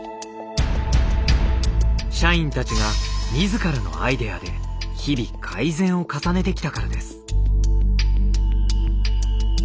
社員たちが自らのアイデアで日々改善を重ねてきたからです。